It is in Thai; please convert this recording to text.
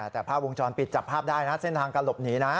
แต่ภาพวงจรปิดจับภาพได้นะเส้นทางการหลบหนีนะ